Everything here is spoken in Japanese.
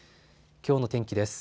きょうの天気です。